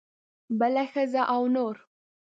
بله ښځه او نور.